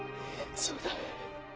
そうだ。